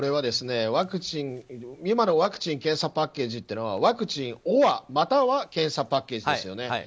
今のワクチン・検査パッケージというのはワクチンまたは検査パッケージですよね。